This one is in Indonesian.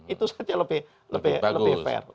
itu saja lebih fair